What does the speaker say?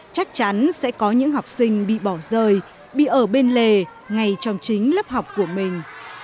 chắc chắn sẽ có những học sinh bị bỏ rơi bị ở bên lề ngay trong chính lớp học của mình